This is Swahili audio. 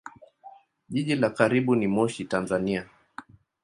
Jiji la karibu ni Moshi, Tanzania.